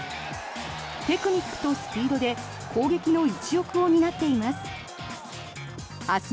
テクニックとスピードで攻撃の一翼を担っています。